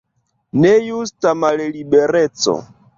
Nejusta mallibereco.